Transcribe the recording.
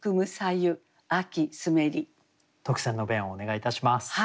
特選の弁をお願いいたします。